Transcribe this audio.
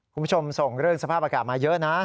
คุณผู้ชมส่งเรื่องสภาพอากาศมาเยอะนะ